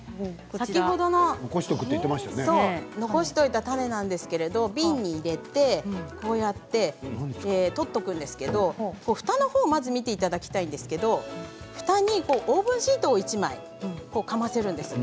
先ほど残しておいた種なんですけど瓶に入れてこうやって取っておくんですけどもふたのほうを、まず見ていただきたいんですけれどもふたにオーブンシートを１枚かませるんです。